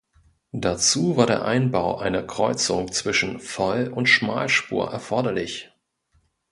Dazu war der Einbau einer Kreuzung zwischen Voll- und Schmalspur erforderlich.